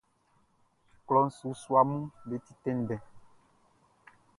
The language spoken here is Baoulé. Klɔʼn su suaʼm be ti tɛnndɛn.